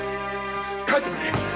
帰ってくれ！